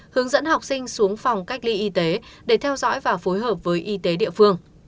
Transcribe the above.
hướng dẫn học sinh xuống phòng cách ly y tế để theo dõi và phối hợp với y tế địa phương